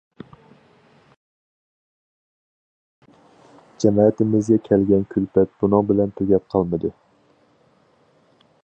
جەمەتىمىزگە كەلگەن كۈلپەت بۇنىڭ بىلەن تۈگەپ قالمىدى.